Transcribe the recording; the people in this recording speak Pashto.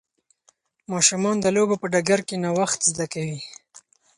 ماشومان د لوبو په ډګر کې نوښت زده کوي.